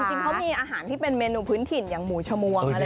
จริงเขามีอาหารที่เป็นเมนูพื้นถิ่นอย่างหมูชมวง